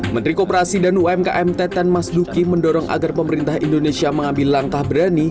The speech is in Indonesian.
menteri kooperasi dan umkm teten mas duki mendorong agar pemerintah indonesia mengambil langkah berani